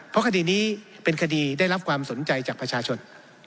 เพราะคดีนี้เป็นคดีได้รับความสนใจจากประชาชน